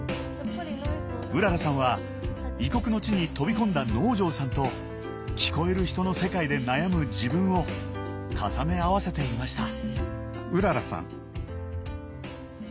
うららさんは異国の地に飛び込んだ能條さんと聞こえる人の世界で悩む自分を重ね合わせていました。